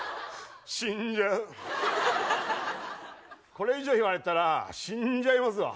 これ以上言われたら死んじゃいますわ。